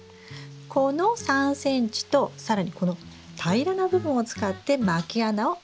この３ｃｍと更にこの平らな部分を使ってまき穴を開けます。